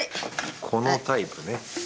このタイプね。